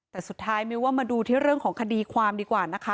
แต่สุดท้ายมิ้วว่ามาดูที่เรื่องของคดีความดีกว่านะคะ